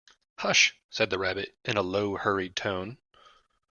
Hush!’ said the Rabbit in a low, hurried tone.